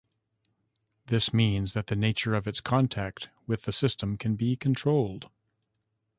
This means that the nature of its contact with the system can be controlled.